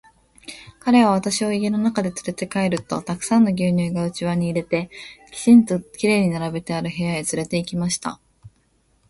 彼は私を家の中へつれて帰ると、たくさんの牛乳が器に入れて、きちんと綺麗に並べてある部屋へつれて行きました。